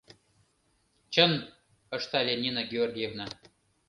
— Чын, — ыштале Нина Георгиевна.